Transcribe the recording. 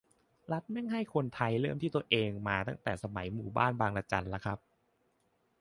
"รัฐแม่งให้คนไทยเริ่มที่ตัวเองมาตั้งแต่สมัยหมู่บ้านบางระจันละครับ"